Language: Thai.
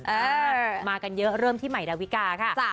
เออมากันเยอะเริ่มที่ใหม่ดาวิกาค่ะ